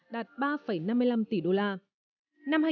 đạt ba năm mươi năm tỷ đô la